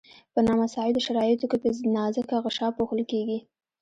په نامساعدو شرایطو کې په نازکه غشا پوښل کیږي.